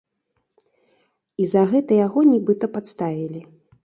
І за гэта яго, нібыта, падставілі.